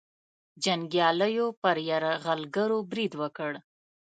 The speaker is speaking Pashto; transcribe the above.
جنګیالیو پر یرغلګرو برید وکړ.